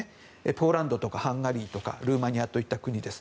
ポーランドとかハンガリーとかルーマニアといった国です。